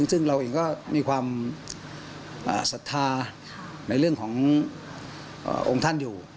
ซึ่งเราเองก็มีความศรัทธาในเรื่องขององค์ท่านอยู่